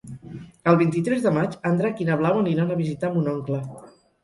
El vint-i-tres de maig en Drac i na Blau aniran a visitar mon oncle.